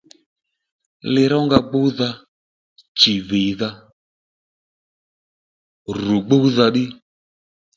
Li-rónga gbúdha chì vìydga rù gbúdha ddí